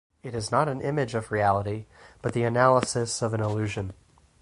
It is not an image of reality, but the analysis of an illusion.